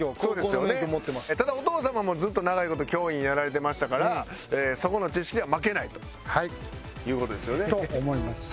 ただお父様もずっと長い事教員やられてましたからそこの知識では負けないという事ですよね。と思います。